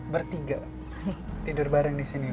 bertiga tidur bareng di sini